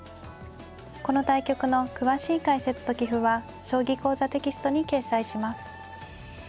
この対局の詳しい解説と棋譜は「将棋講座」テキストに掲載します。